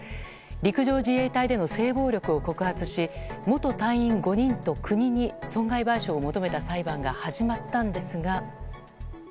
陸上自衛隊での性暴力を告発し元隊員５人と国に損害賠償を求めた裁判が始まったんですが。